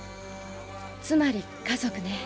つまり家族ね。